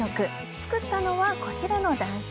作ったのは、こちらの男性。